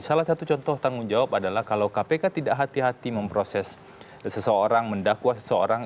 salah satu contoh tanggung jawab adalah kalau kpk tidak hati hati memproses seseorang mendakwa seseorang